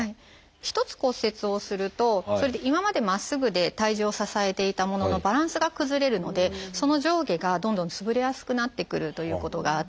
一つ骨折をすると今までまっすぐで体重を支えていたもののバランスが崩れるのでその上下がどんどんつぶれやすくなってくるということがあって。